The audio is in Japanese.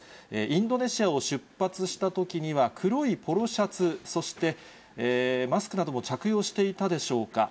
インドネシアを出発したときには、黒いポロシャツ、そしてマスクなども着用していたでしょうか。